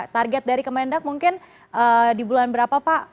target dari kemendak mungkin di bulan berapa pak